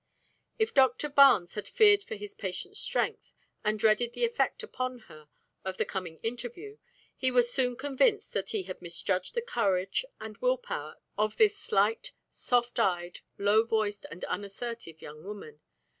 If Doctor Barnes had feared for his patient's strength, and dreaded the effect upon her of the coming interview, he was soon convinced that he had misjudged the courage and will power of this slight, soft eyed, low voiced and unassertive young woman.